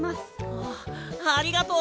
あっありがとう！